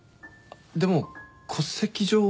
でも戸籍上は。